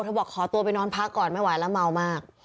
บอกขอตัวไปนอนพักก่อนไม่ไหวแล้วเมามาก